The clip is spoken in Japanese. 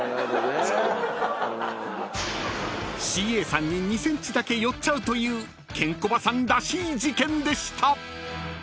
［ＣＡさんに２ｃｍだけ寄っちゃうというケンコバさんらしい事件でした］